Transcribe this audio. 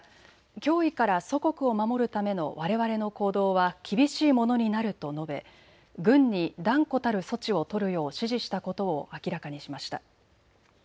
脅威から祖国を守るためのわれわれの行動は厳しいものになると述べ軍に断固たる措置を取るよう指示したことを明らかにしました。